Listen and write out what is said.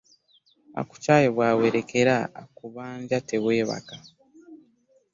Akukyaye bwawerekera akubanja tewebaka .